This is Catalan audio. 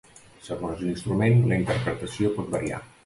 Segons l'instrument la interpretació pot variar.